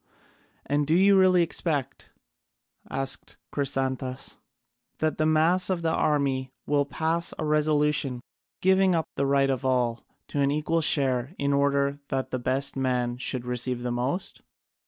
"And do you really expect," asked Chrysantas, "that the mass of the army will pass a resolution giving up the right of all to an equal share in order that the best men should receive the most?"